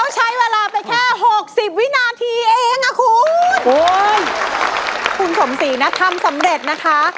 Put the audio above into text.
เขาใช้เวลาไปแค่หกสิบวินาทีเองอ่ะคุณสมศีลน่ะทำสำเร็จนะคะ